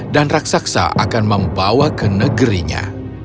dan raksasa akan membawa ke neraka